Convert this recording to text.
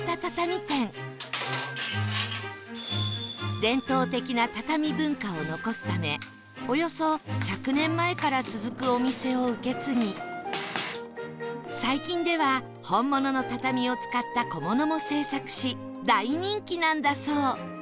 伝統的な畳文化を残すためおよそ１００年前から続くお店を受け継ぎ最近では本物の畳を使った小物も製作し大人気なんだそう